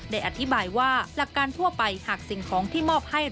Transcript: อธิบายว่าหลักการทั่วไปหากสิ่งของที่มอบให้